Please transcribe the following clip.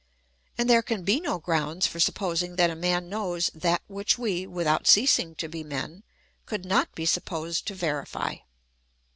And there can be no grounds for supposing that a man knows that which we, without ceasing to be men, could not be supposed to verify.